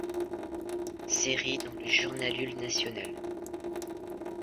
Série dans le Jurnalul Național -